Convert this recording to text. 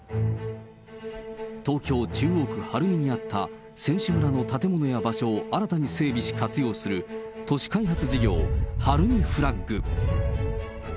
東京・中央区晴海にあった選手村の建物や場所を新たに整備し活用する、都市開発事業、晴海フラッグ。